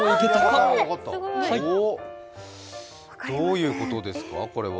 おっ、どういうことですか、これは。